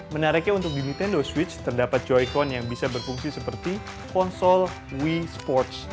menariknya untuk di nintendo switch terdapat choikon yang bisa berfungsi seperti konsol wee sports